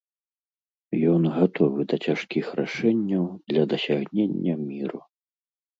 Ён гатовы да цяжкіх рашэнняў для дасягнення міру.